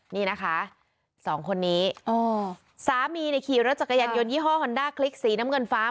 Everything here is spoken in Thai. นี่นะคะสองคนนี้สามีเนี่ยขี่รถจักรยานยนต์ยี่ห้อฮอนด้าคลิกสีน้ำเงินฟ้า